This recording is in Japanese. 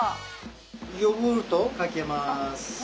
ヨーグルトをかけます。